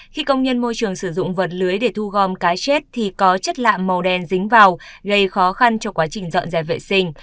khi công nhân môi trường sử dụng vật lưới để thu gom cá chết thì có chất lạ màu đen dính vào gây khó khăn cho quá trình dọn dẹp vệ sinh